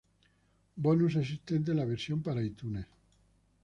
Bonus existente en la versión para iTunes